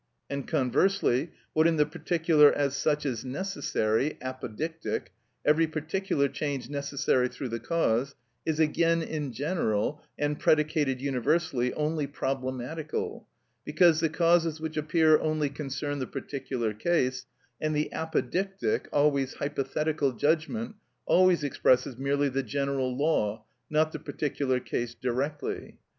And conversely, what in the particular as such is necessary (apodictic) (every particular change necessary through the cause), is again in general, and predicated universally, only problematical; because the causes which appear only concern the particular case, and the apodictic, always hypothetical judgment, always expresses merely the general law, not the particular case directly.